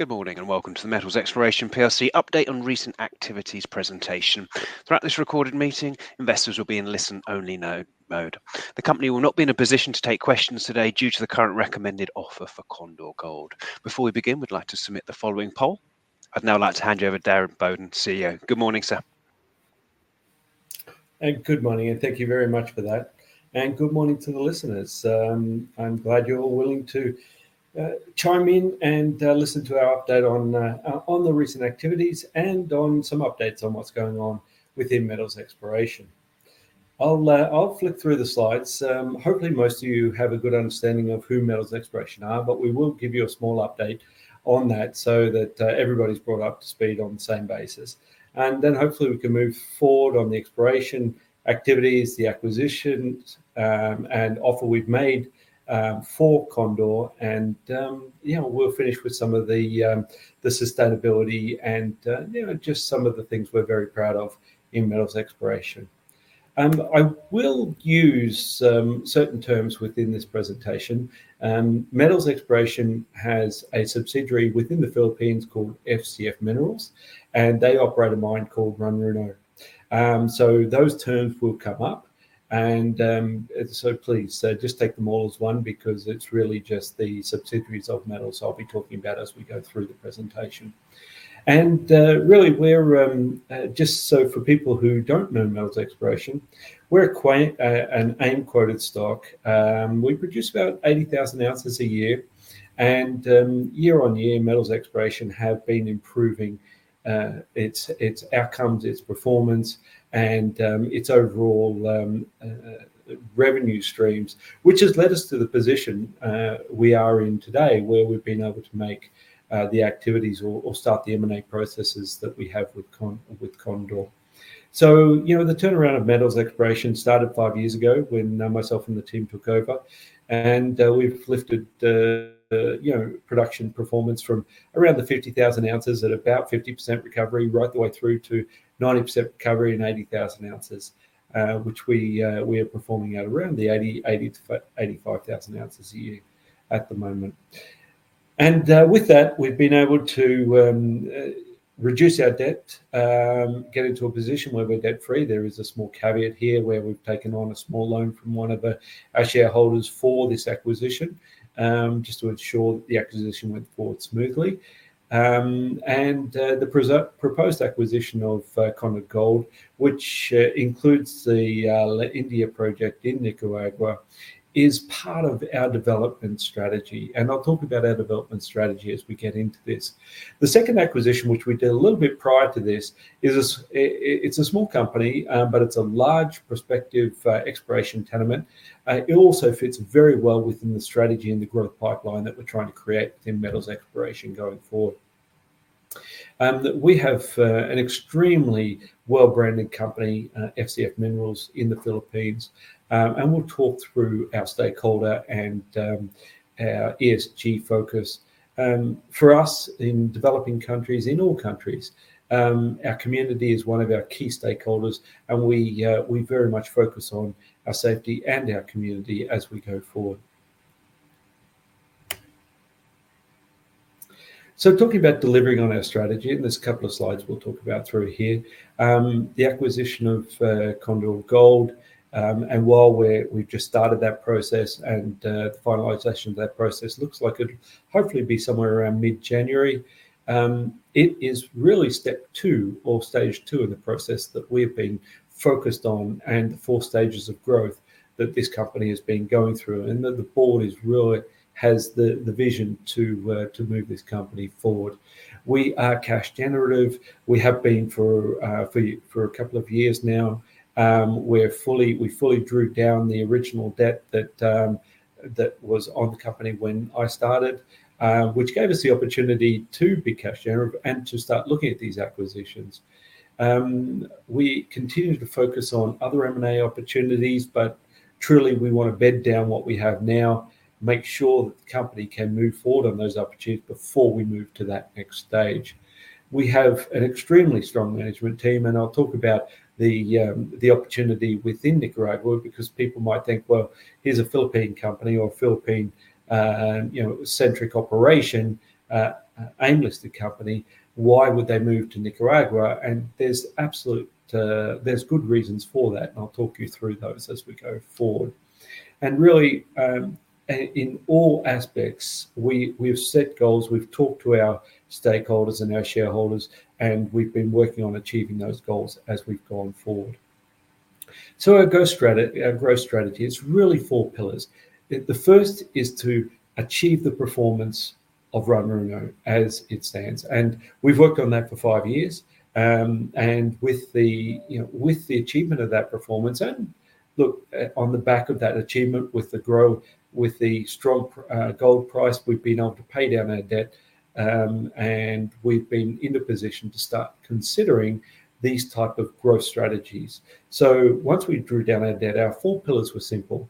Good morning and welcome to the Metals Exploration Plc update on recent activities presentation. Throughout this recorded meeting, investors will be in listen-only mode. The company will not be in a position to take questions today due to the current recommended offer for Condor Gold. Before we begin, we'd like to submit the following poll. I'd now like to hand you over to Darren Bowden, CEO. Good morning, sir. Good morning, and thank you very much for that. Good morning to the listeners. I'm glad you're all willing to chime in and listen to our update on the recent activities and on some updates on what's going on within Metals Exploration. I'll flick through the slides. Hopefully, most of you have a good understanding of who Metals Exploration are, but we will give you a small update on that so that everybody's brought up to speed on the same basis. Hopefully we can move forward on the exploration activities, the acquisitions, and offer we've made for Condor. We'll finish with some of the sustainability and just some of the things we're very proud of in Metals Exploration. I will use some certain terms within this presentation. Metals Exploration has a subsidiary within the Philippines called FCF Minerals, and they operate a mine called Runruno. Those terms will come up, and so please, just take them all as one because it's really just the subsidiaries of Metals I'll be talking about as we go through the presentation. Really, just so for people who don't know Metals Exploration, we're an AIM-quoted stock. We produce about 80,000 ounces a year. Year-over-year, Metals Exploration have been improving its outcomes, its performance, and its overall revenue streams, which has led us to the position we are in today, where we've been able to make the activities or start the M&A processes that we have with Condor. The turnaround of Metals Exploration started five years ago when myself and the team took over. We've lifted the production performance from around the 50,000 ounces at about 50% recovery, right the way through to 90% recovery and 90,000 ounces. Which we are performing at around 80,000-85,000 ounces a year at the moment. With that, we've been able to reduce our debt, get into a position where we're debt-free. There is a small caveat here where we've taken on a small loan from one of our shareholders for this acquisition, just to ensure that the acquisition went forward smoothly. The proposed acquisition of Condor Gold, which includes the La India project in Nicaragua, is part of our development strategy. I'll talk about our development strategy as we get into this. The second acquisition, which we did a little bit prior to this, it's a small company, but it's a large prospective exploration tenement. It also fits very well within the strategy and the growth pipeline that we're trying to create within Metals Exploration going forward. We have an extremely well-branded company, FCF Minerals, in the Philippines. We'll talk through our stakeholder and our ESG focus. For us, in developing countries, in all countries, our community is one of our key stakeholders, and we very much focus on our safety and our community as we go forward. Talking about delivering on our strategy, there's a couple of slides we'll talk about through here. The acquisition of Condor Gold, while we've just started that process and the finalization of that process looks like it'll hopefully be somewhere around mid-January. It is really step two or stage two in the process that we've been focused on and the four stages of growth that this company has been going through. The board really has the vision to move this company forward. We are cash generative. We have been for a couple of years now. We fully drew down the original debt that was on the company when I started, which gave us the opportunity to be cash generative and to start looking at these acquisitions. We continue to focus on other M&A opportunities, but truly, we want to bed down what we have now, make sure that the company can move forward on those opportunities before we move to that next stage. We have an extremely strong management team, and I'll talk about the opportunity within Nicaragua, because people might think, "Well, here's a Philippine company," or Philippine-centric operation, AIM-listed company. Why would they move to Nicaragua? There's good reasons for that, and I'll talk you through those as we go forward. Really, in all aspects, we've set goals, we've talked to our stakeholders and our shareholders, and we've been working on achieving those goals as we've gone forward. Our growth strategy, it's really four pillars. The first is to achieve the performance of Runruno as it stands. We've worked on that for five years. With the achievement of that performance and, look, on the back of that achievement with the growth, with the strong gold price, we've been able to pay down our debt, and we've been in the position to start considering these type of growth strategies. Once we paid down our debt, our four pillars were simple.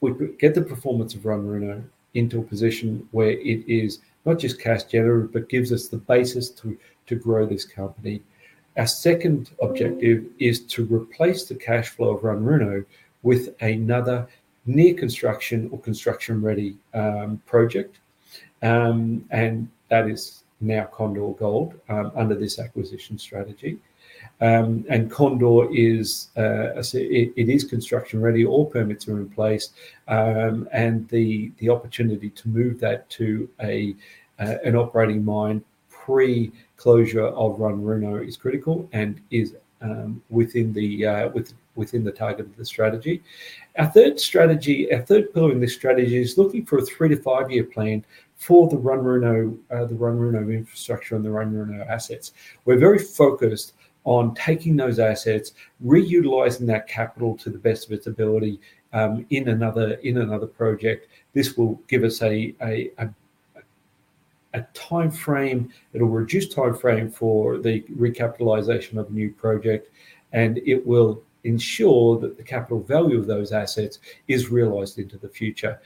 We get the performance of Runruno into a position where it is not just cash generative, but gives us the basis to grow this company. Our second objective is to replace the cash flow of Runruno with another near construction or construction-ready project. That is now Condor Gold under this acquisition strategy. Condor, it is construction-ready. All permits are in place. The opportunity to move that to an operating mine pre-closure of Runruno is critical and is within the target of the strategy. Our third pillar in this strategy is looking for a three-to-five-year plan for the Runruno infrastructure and the Runruno assets. We're very focused on taking those assets, re-utilizing that capital to the best of its ability, in another project. This will give us a timeframe. It'll reduce timeframe for the recapitalization of a new project, and it will ensure that the capital value of those assets is realized into the future.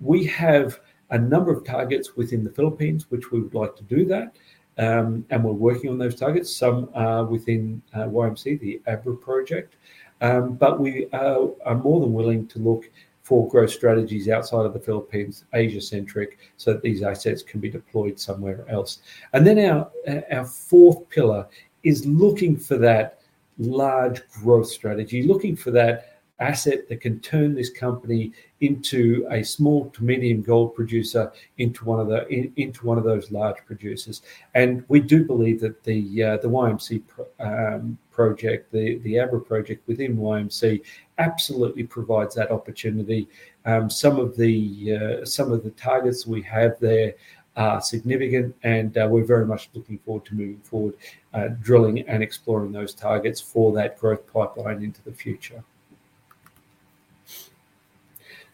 We have a number of targets within the Philippines which we would like to do that. We're working on those targets. Some are within YMC, the Abra project. We are more than willing to look for growth strategies outside of the Philippines, Asia-centric, so that these assets can be deployed somewhere else. Our fourth pillar is looking for that large growth strategy. Looking for that asset that can turn this company into a small to medium gold producer into one of those large producers. We do believe that the YMC project, the Abra project within YMC, absolutely provides that opportunity. Some of the targets we have there are significant, and we're very much looking forward to moving forward, drilling and exploring those targets for that growth pipeline into the future.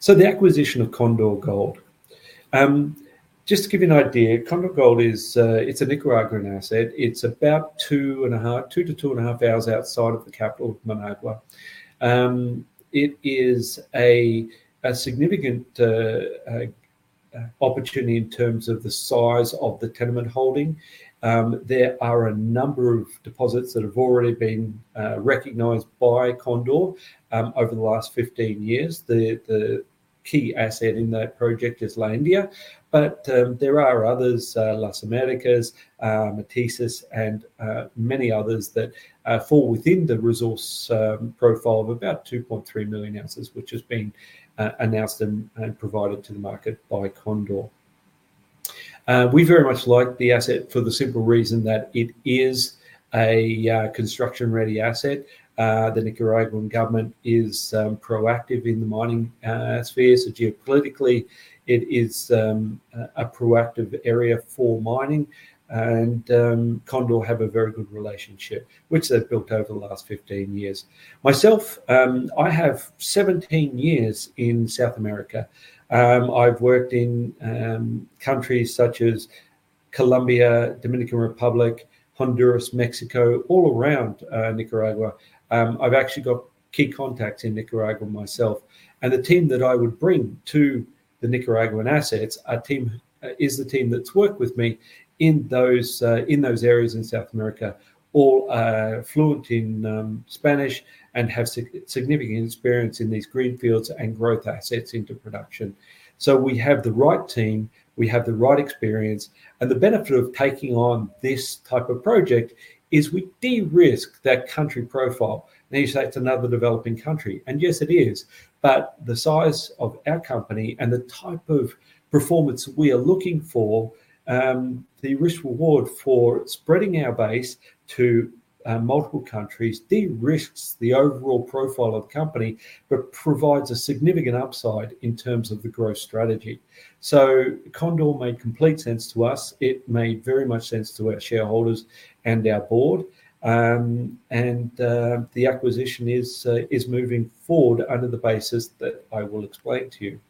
The acquisition of Condor Gold. Just to give you an idea, Condor Gold, it's a Nicaraguan asset. It's about 2-2.5 hours outside of the capital, Managua. It is a significant opportunity in terms of the size of the tenement holding. There are a number of deposits that have already been recognized by Condor, over the last 15 years. The key asset in that project is La India. There are others, Las Americas, Mestiza, and many others that fall within the resource profile of about 2.3 million ounces, which has been announced and provided to the market by Condor. We very much like the asset for the simple reason that it is a construction-ready asset. The Nicaraguan government is proactive in the mining sphere. Geopolitically, it is a proactive area for mining. Condor have a very good relationship, which they've built over the last 15 years. Myself, I have 17 years in South America. I've worked in countries such as Colombia, Dominican Republic, Honduras, Mexico, all around Nicaragua. I've actually got key contacts in Nicaragua myself. The team that I would bring to the Nicaraguan assets is the team that's worked with me in those areas in South America. All are fluent in Spanish and have significant experience in these green fields and growth assets into production. We have the right team, we have the right experience. The benefit of taking on this type of project is we de-risk that country profile. Now, you say it's another developing country, and yes, it is. The size of our company and the type of performance we are looking for, the risk-reward for spreading our base to multiple countries, de-risks the overall profile of the company, but provides a significant upside in terms of the growth strategy. Condor made complete sense to us. It made very much sense to our shareholders and our board. The acquisition is moving forward under the basis that I will explain to you.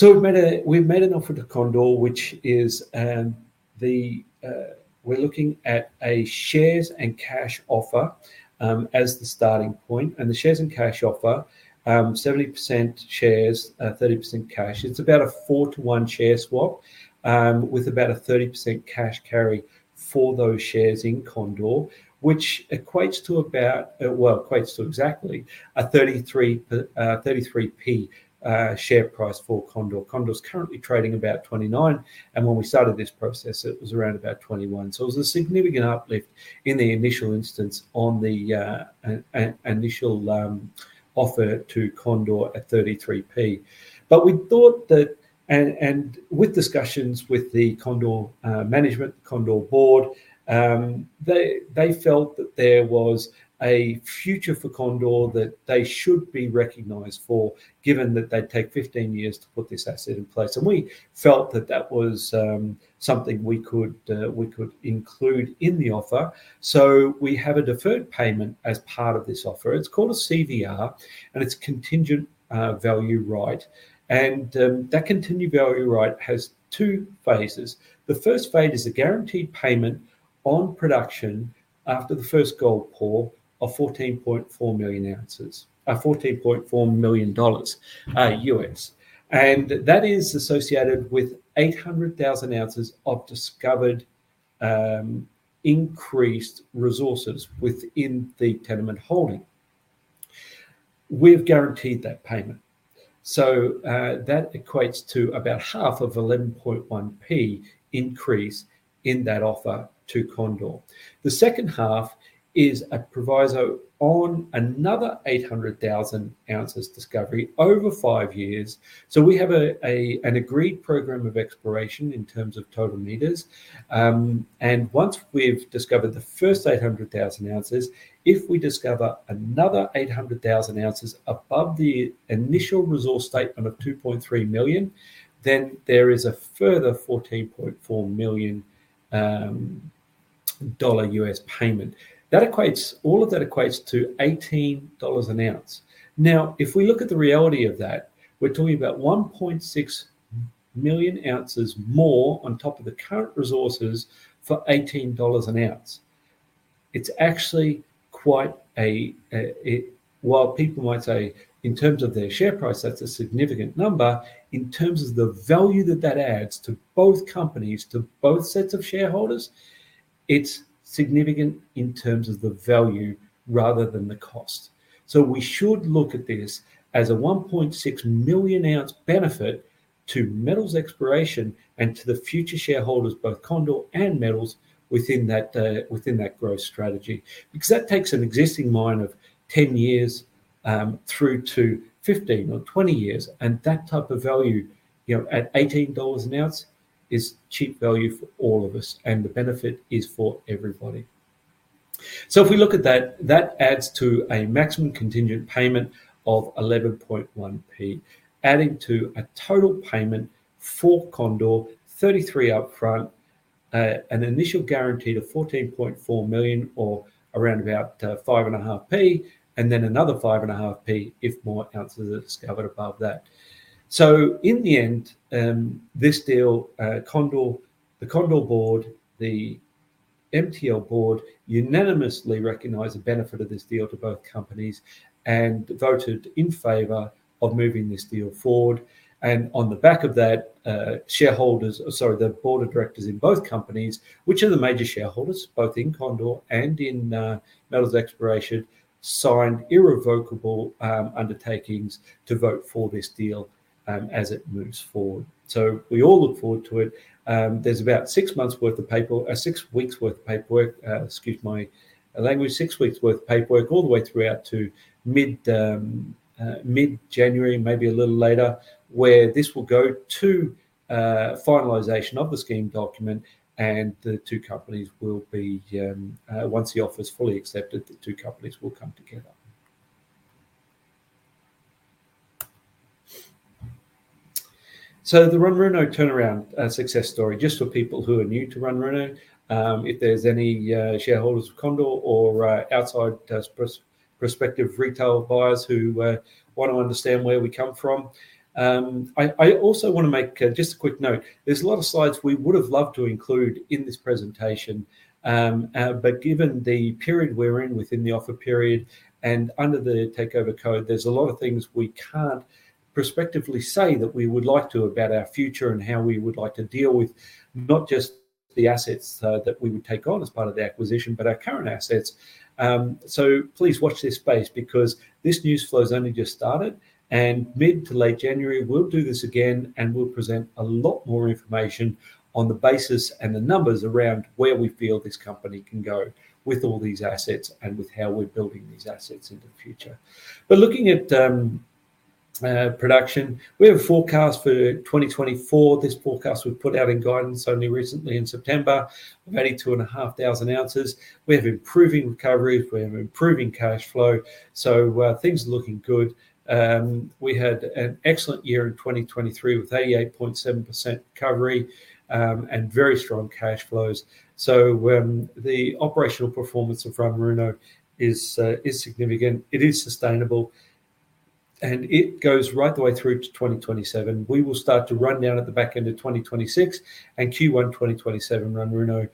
We've made an offer to Condor. We're looking at a shares and cash offer, as the starting point. The shares and cash offer, 70% shares, 30% cash. It's about a four-to-one share swap, with about a 30% cash carry for those shares in Condor. Which equates to exactly a 0.33 share price for Condor. Condor's currently trading about 0.29. When we started this process, it was around about 0.21. It was a significant uplift in the initial instance on the initial offer to Condor at 0.33. We thought that with discussions with the Condor management, Condor board, they felt that there was a future for Condor that they should be recognized for, given that they'd take 15 years to put this asset in place. We felt that that was something we could include in the offer. We have a deferred payment as part of this offer. It's called a CVR, and it's Contingent Value Right. That contingent value right has two phases. The first phase is a guaranteed payment on production after the first gold pour of $14.4 million. That is associated with 800,000 ounces of discovered increased resources within the tenement holding. We've guaranteed that payment. That equates to about half of 0.111 increase in that offer to Condor. The second half is a proviso on another 800,000 ounces discovery over 5 years. We have an agreed program of exploration in terms of total meters. Once we've discovered the first 800,000 ounces, if we discover another 800,000 ounces above the initial resource statement of $2.3 million, then there is a further $14.4 million U.S. payment. All of that equates to $18 an ounce. Now, if we look at the reality of that, we're talking about 1.6 million ounces more on top of the current resources for $18 an ounce. While people might say, in terms of their share price, that's a significant number. In terms of the value that that adds to both companies, to both sets of shareholders, it's significant in terms of the value rather than the cost. We should look at this as a 1.6 million-ounce benefit to Metals Exploration and to the future shareholders, both Condor and Metals, within that growth strategy. Because that takes an existing mine of 10 years, through to 15 years or 20 years. That type of value at $18 an ounce is cheap value for all of us, and the benefit is for everybody. If we look at that adds to a maximum contingent payment of 11.1p, adding to a total payment for Condor, 33 up front, an initial guarantee of $14.4 million or around about 5.5p, and then another 5.5p if more ounces are discovered above that. In the end, this deal, the Condor board, the MTL board, unanimously recognized the benefit of this deal to both companies and voted in favor of moving this deal forward. On the back of that, the board of directors in both companies, which are the major shareholders, both in Condor and in Metals Exploration, signed irrevocable undertakings to vote for this deal as it moves forward. We all look forward to it. There's about six weeks worth of paperwork, excuse my language. Six weeks worth of paperwork all the way throughout to mid-January, maybe a little later, where this will go to finalization of the scheme document, and once the offer's fully accepted, the two companies will come together. The Runruno turnaround success story, just for people who are new to Runruno. If there's any shareholders of Condor or outside prospective retail buyers who want to understand where we come from. I also want to make just a quick note. There's a lot of slides we would've loved to include in this presentation. Given the period we're in within the offer period and under the takeover code, there's a lot of things we can't prospectively say that we would like to about our future and how we would like to deal with not just the assets that we would take on as part of the acquisition, but our current assets. Please watch this space because this news flow's only just started, and mid to late January, we'll do this again, and we'll present a lot more information on the basis and the numbers around where we feel this company can go with all these assets and with how we're building these assets into the future. Looking at production, we have a forecast for 2024. This forecast we've put out in guidance only recently in September, of only 2,500 ounces. We have improving recovery. We have improving cash flow. Things are looking good. We had an excellent year in 2023 with 88.7% recovery, and very strong cash flows. The operational performance of Runruno is significant. It is sustainable, and it goes right the way through to 2027. We will start to run down at the back end of 2026, and Q1 2027, Runruno,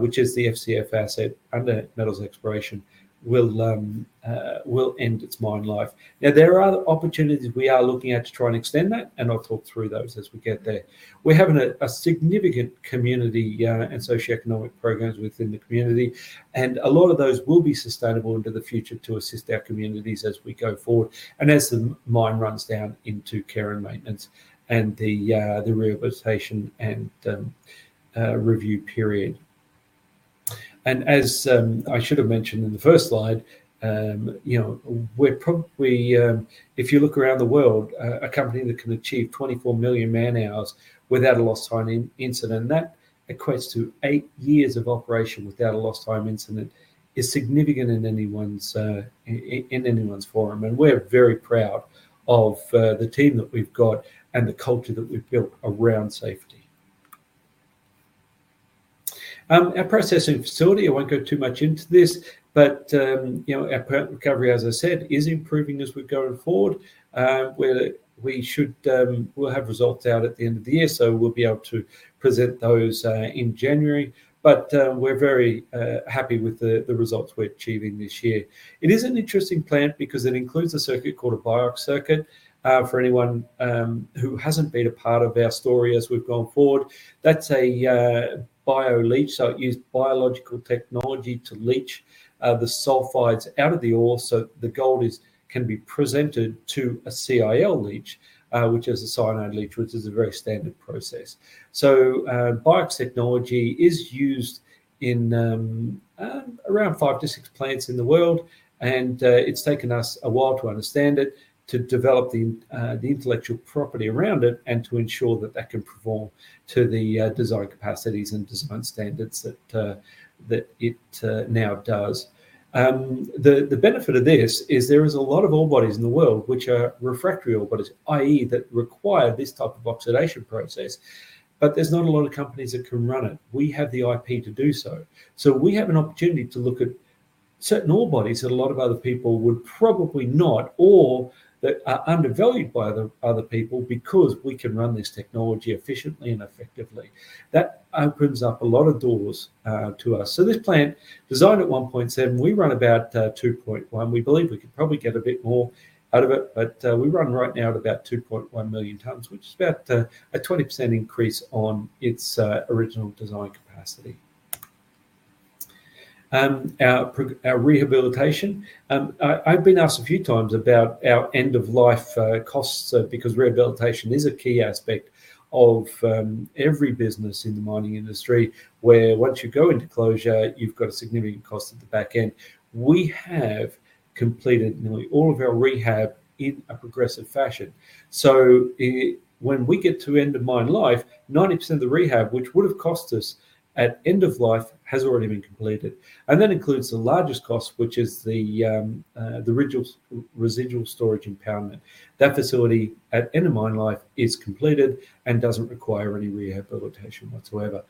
which is the FCF asset under Metals Exploration, will end its mine life. Now, there are other opportunities we are looking at to try and extend that, and I'll talk through those as we get there. We're having significant community and socioeconomic programs within the community, and a lot of those will be sustainable into the future to assist our communities as we go forward and as the mine runs down into care and maintenance and the rehabilitation and review period. As I should've mentioned in the first slide, if you look around the world, a company that can achieve 24 million man-hours without a lost time incident, that equates to eight years of operation without a lost time incident, is significant in anyone's forum. We're very proud of the team that we've got and the culture that we've built around safety. Our processing facility, I won't go too much into this, but our recovery, as I said, is improving as we're going forward. We'll have results out at the end of the year, so we'll be able to present those in January. We're very happy with the results we're achieving this year. It is an interesting plant because it includes a circuit called a BIOX circuit. For anyone who hasn't been a part of our story as we've gone forward, that's a bioleach. It used biological technology to leach the sulfides out of the ore, so the gold can be presented to a CIL leach, which is a cyanide leach, which is a very standard process. BIOX technology is used in around five to six plants in the world, and it's taken us a while to understand it, to develop the intellectual property around it, and to ensure that that can perform to the desired capacities and to some standards that it now does. The benefit of this is there is a lot of ore bodies in the world which are refractory ore bodies, i.e., that require this type of oxidation process, but there's not a lot of companies that can run it. We have the IP to do so. We have an opportunity to look at certain ore bodies that a lot of other people would probably not, or that are undervalued by other people because we can run this technology efficiently and effectively. That opens up a lot of doors to us. This plant, designed at 1.7, we run about 2.1. We believe we could probably get a bit more out of it. We run right now at about 2.1 million tons, which is about a 20% increase on its original design capacity. Our rehabilitation. I've been asked a few times about our end-of-life costs, because rehabilitation is a key aspect of every business in the mining industry, where once you go into closure, you've got a significant cost at the back end. We have completed nearly all of our rehab in a progressive fashion. When we get to end of mine life, 90% of the rehab, which would have cost us at end of life, has already been completed. That includes the largest cost, which is the residue storage impoundment. That facility at end of mine life is completed and doesn't require any rehabilitation whatsoever.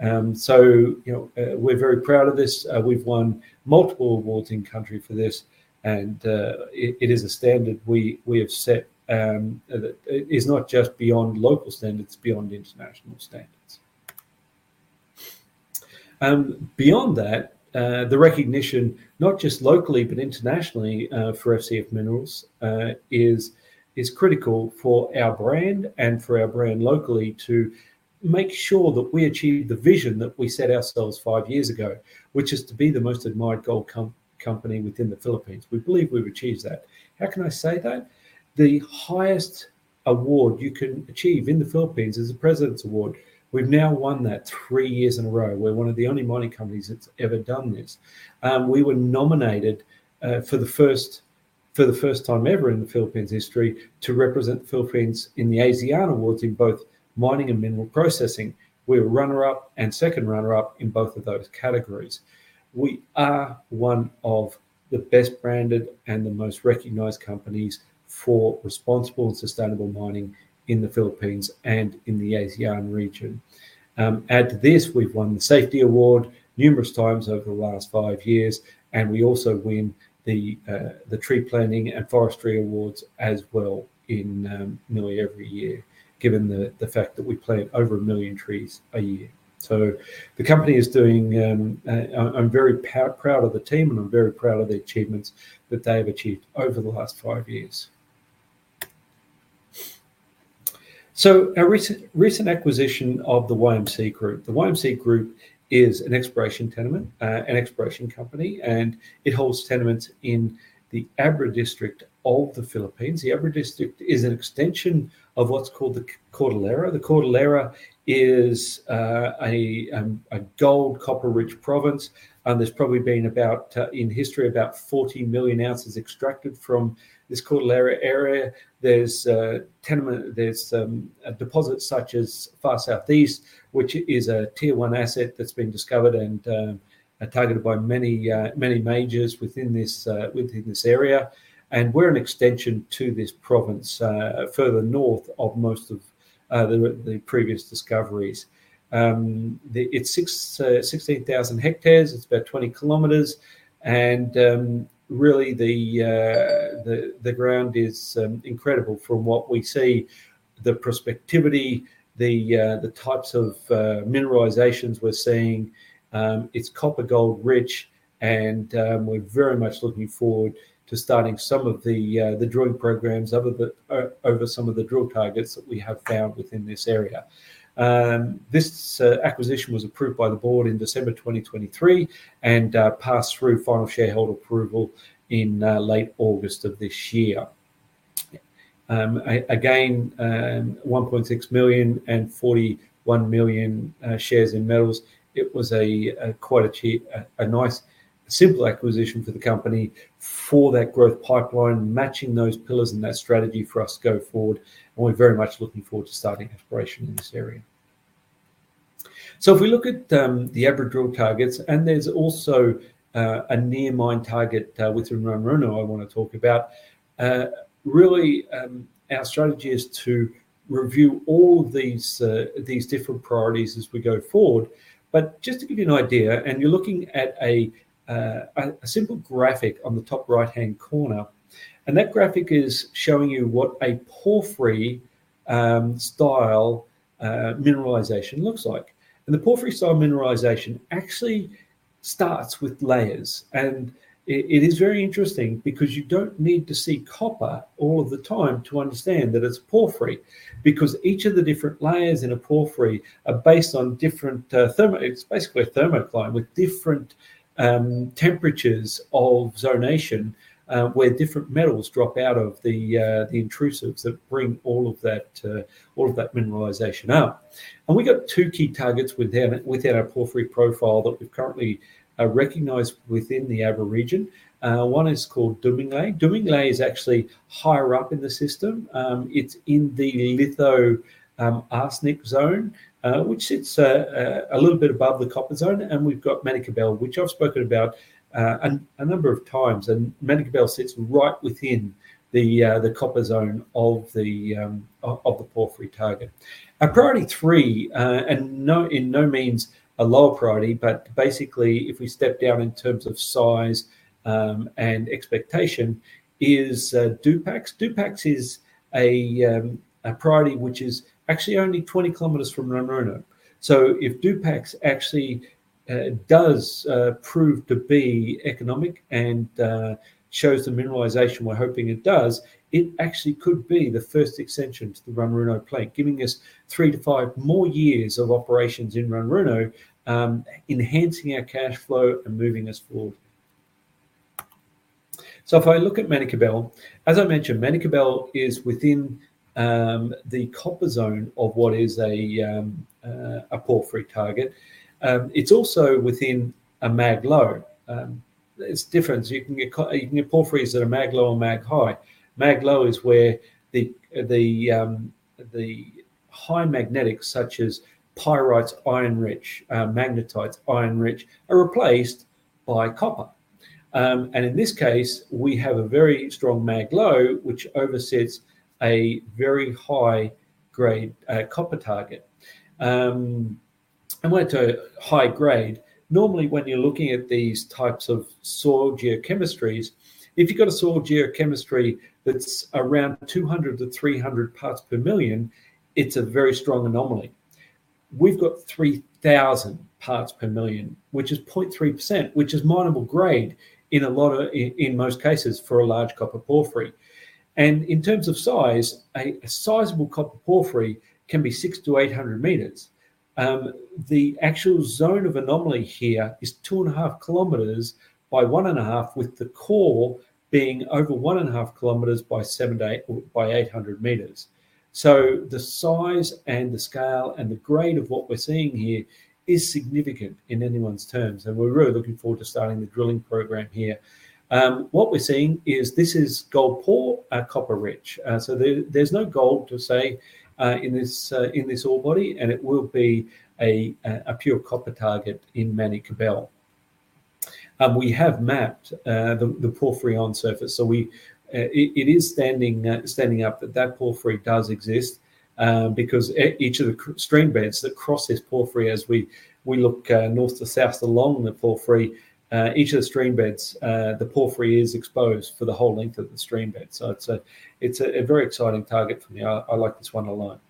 We're very proud of this. We've won multiple awards in country for this, and it is a standard we have set that is not just beyond local standards, beyond international standards. Beyond that, the recognition, not just locally but internationally, for FCF Minerals, is critical for our brand and for our brand locally to make sure that we achieve the vision that we set ourselves five years ago, which is to be the most admired gold company within the Philippines. We believe we've achieved that. How can I say that? The highest award you can achieve in the Philippines is the President's Award. We've now won that three years in a row. We're one of the only mining companies that's ever done this. We were nominated for the first time ever in the Philippines' history to represent the Philippines in the ASEAN Awards in both mining and mineral processing. We were runner-up and second runner-up in both of those categories. We are one of the best-branded and the most recognized companies for responsible and sustainable mining in the Philippines and in the ASEAN region. Add to this, we've won the Safety Award numerous times over the last five years, and we also win the Tree Planting and Forestry Awards as well in nearly every year, given the fact that we plant over one million trees a year. The company is doing. I'm very proud of the team, and I'm very proud of the achievements that they have achieved over the last five years. Our recent acquisition of the YMC Group. The YMC Group is an exploration tenement, an exploration company, and it holds tenements in the Abra District of the Philippines. The Abra District is an extension of what's called the Cordillera. The Cordillera is a gold, copper-rich province, and there's probably been, in history, about 40 million ounces extracted from this Cordillera area. There's deposits such as Far Southeast, which is a tier one asset that's been discovered and targeted by many majors within this area. We're an extension to this province, further north of most of the previous discoveries. It's 16,000 hectares. It's about 20 kilometers. Really, the ground is incredible from what we see, the prospectivity, the types of mineralizations we're seeing. It's copper, gold rich, and we're very much looking forward to starting some of the drilling programs over some of the drill targets that we have found within this area. This acquisition was approved by the board in December 2023 and passed through final shareholder approval in late August of this year. Again, $1.6 million and 41 million shares in Metals. It was quite a nice, simple acquisition for the company for that growth pipeline, matching those pillars and that strategy for us to go forward. We're very much looking forward to starting exploration in this area. If we look at the Abra drill targets, and there's also a near mine target within Runruno I want to talk about. Really, our strategy is to review all these different priorities as we go forward. Just to give you an idea, and you're looking at a simple graphic on the top right-hand corner. That graphic is showing you what a porphyry-style mineralization looks like. The porphyry-style mineralization actually starts with layers. It is very interesting because you don't need to see copper all the time to understand that it's porphyry, because each of the different layers in a porphyry are based on different thermal regimes. Basically, a thermocline with different temperatures of zonation, where different metals drop out of the intrusives that bring all of that mineralization up. We got two key targets within our porphyry profile that we've currently recognized within the Abra region. One is called Dominguez. Dominguez is actually higher up in the system. It's in the lithocap arsenic zone, which sits a little bit above the copper zone. We've got Manikbel, which I've spoken about a number of times. Manikbel sits right within the copper zone of the porphyry target. Our priority three, and in no means a lower priority, but basically if we step down in terms of size and expectation is Dupax. Dupax is a priority which is actually only 20 km from Runruno. If Dupax actually does prove to be economic and shows the mineralization we're hoping it does, it actually could be the first extension to the Runruno plant, giving us three to five more years of operations in Runruno, enhancing our cash flow and moving us forward. If I look at Manikbel, as I mentioned, Manikbel is within the copper zone of what is a porphyry target. It's also within a mag low. It's different. You can get porphyries that are mag low or mag high. Mag low is where the high magnetics such as pyrites, iron-rich, magnetites, iron-rich, are replaced by copper. In this case, we have a very strong mag low, which overlies a very high-grade copper target. When I say high grade, normally when you're looking at these types of soil geochemistries, if you've got a soil geochemistry that's around 200-300 parts per million, it's a very strong anomaly. We've got 3,000 parts per million, which is 0.3%, which is mineable grade in most cases for a large copper porphyry. In terms of size, a sizable copper porphyry can be 600 m-800 m. The actual zone of anomaly here is 2.5 km by 1.5 km, with the core being over 1.5 km by 700 m-800 m. The size and the scale and the grade of what we're seeing here is significant in anyone's terms, and we're really looking forward to starting the drilling program here. What we're seeing is this is gold poor, copper rich. There's no gold to say, in this ore body, and it will be a pure copper target in Manikbel. We have mapped the porphyry on surface. It is standing up that porphyry does exist, because each of the stream beds that cross this porphyry as we look north to south along the porphyry, each of the stream beds, the porphyry is exposed for the whole length of the stream bed. It's a very exciting target for me. I like this one a lot.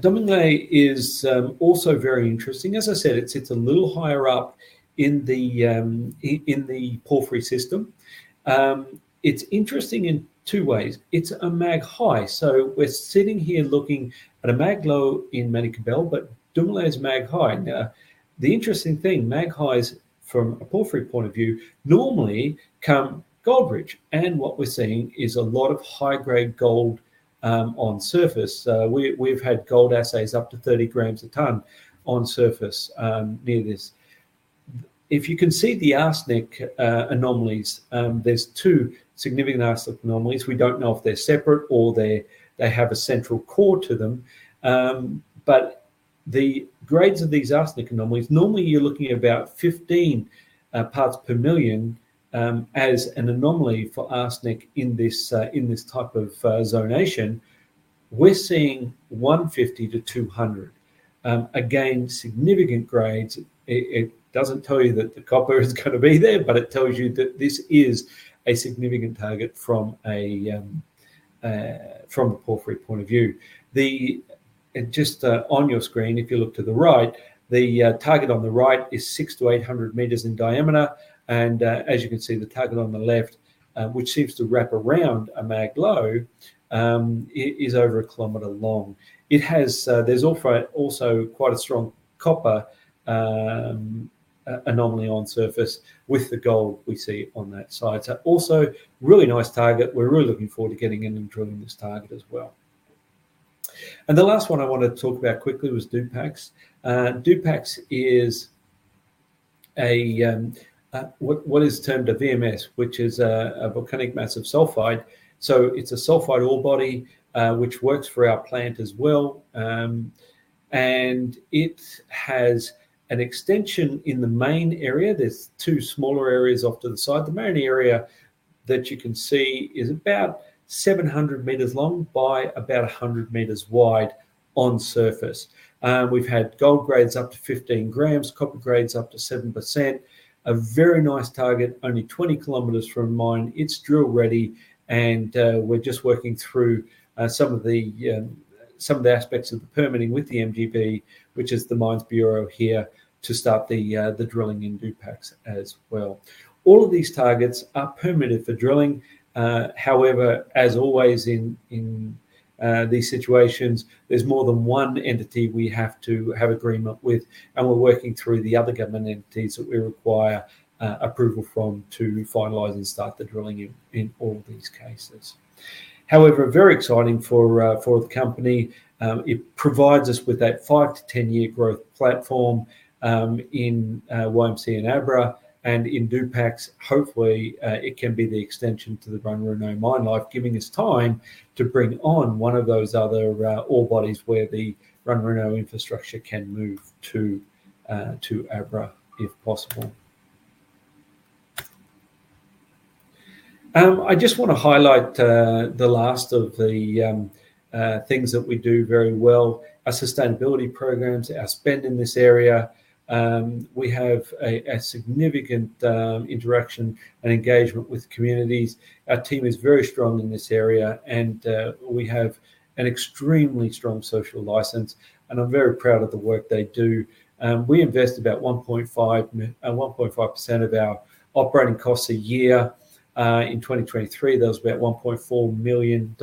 Dominguez is also very interesting. As I said, it sits a little higher up in the porphyry system. It's interesting in two ways. It's a mag high. We're sitting here looking at a mag low in Manikbel, but Dominguez mag high. Now, the interesting thing, mag highs from a porphyry point of view, normally come gold rich. What we're seeing is a lot of high-grade gold on surface. We've had gold assays up to 30 gm a ton on surface near this. If you can see the arsenic anomalies, there's two significant arsenic anomalies. We don't know if they're separate or they have a central core to them. The grades of these arsenic anomalies, normally you're looking at about 15 parts per million as an anomaly for arsenic in this type of zonation. We're seeing 150-200. Again, significant grades. It doesn't tell you that the copper is going to be there, but it tells you that this is a significant target from a porphyry point of view. Just on your screen, if you look to the right, the target on the right is 600 m-800 m in diameter. As you can see, the target on the left, which seems to wrap around a mag low, is over a kilometer long. There's also quite a strong copper anomaly on surface with the gold we see on that site. Also, really nice target. We're really looking forward to getting in and drilling this target as well. The last one I want to talk about quickly was Dupax. Dupax is what is termed a VMS, which is a volcanogenic massive sulfide. It's a sulfide ore body, which works for our plant as well. It has an extension in the main area. There's two smaller areas off to the side. The main area that you can see is about 700 m long by about 100 meters wide on surface. We've had gold grades up to 15 g, copper grades up to 7%. A very nice target, only 20 km from mine. It's drill ready and we're just working through some of the aspects of the permitting with the MGB, which is the Mines and Geosciences Bureau here, to start the drilling in Dupax as well. All of these targets are permitted for drilling. However, as always in these situations, there's more than one entity we have to have agreement with, and we're working through the other government entities that we require approval from to finalize and start the drilling in all of these cases. However, very exciting for the company. It provides us with that five to 10-year growth platform in YMC and Abra and in Dupax. Hopefully, it can be the extension to the Runruno mine life, giving us time to bring on one of those other ore bodies where the Runruno infrastructure can move to Abra if possible. I just want to highlight the last of the things that we do very well. Our sustainability programs, our spend in this area. We have a significant interaction and engagement with communities. Our team is very strong in this area and we have an extremely strong social license, and I'm very proud of the work they do. We invest about 1.5% of our operating costs a year. In 2023, that was about $1.4 million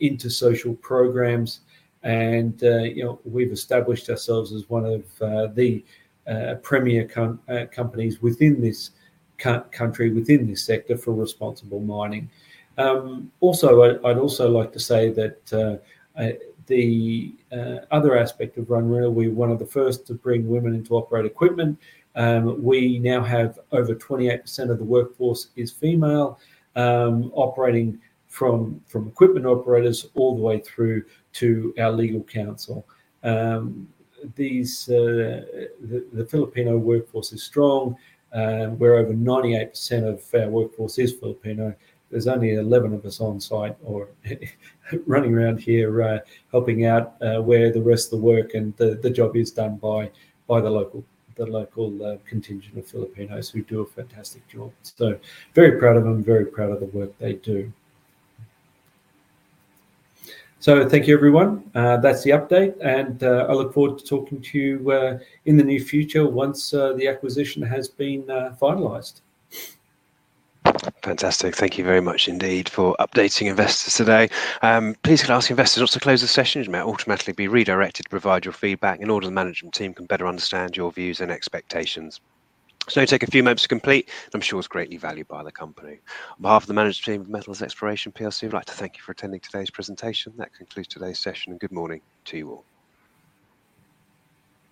into social programs. We've established ourselves as one of the premier companies within this country, within this sector for responsible mining. I'd also like to say that the other aspect of Runruno, we're one of the first to bring women in to operate equipment. We now have over 28% of the workforce is female, operating from equipment operators all the way through to our legal counsel. The Filipino workforce is strong. We're over 98% of our workforce is Filipino. There's only 11 of us on-site or running around here, helping out, where the rest of the work and the job is done by the local contingent of Filipinos who do a fantastic job. Very proud of them, very proud of the work they do. Thank you everyone. That's the update, and I look forward to talking to you in the near future once the acquisition has been finalized. Fantastic. Thank you very much indeed for updating investors today. Please can I ask investors also to close the session? You may automatically be redirected to provide your feedback in order the management team can better understand your views and expectations. It'll only take a few moments to complete, and I'm sure it's greatly valued by the company. On behalf of the management team of Metals Exploration Plc, we'd like to thank you for attending today's presentation. That concludes today's session, and good morning to you all.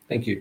Thank you.